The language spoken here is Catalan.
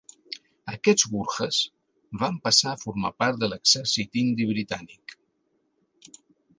Aquests gurkhes van passar a formar part de l'Exèrcit Indi Britànic.